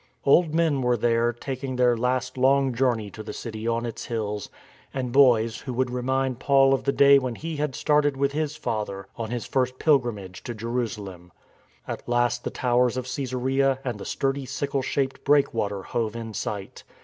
Old men were there taking 240 STORM AND STRESS their last long journey to the city on its hills, and boys who would remind Paul of the day when he had started with his father on his first pilgrimage to Jerusalem. At last the towers of Csesarea and the sturdy sickle shaped breakwater hove in sight.